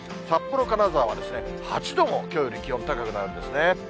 札幌、金沢は８度もきょうより気温高くなるんですね。